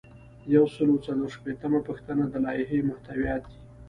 یو سل او څلور شپیتمه پوښتنه د لایحې محتویات دي.